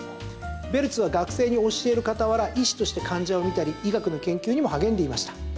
ベルツは学生に教える傍ら医師として患者を診たり医学の研究にも励んでいました。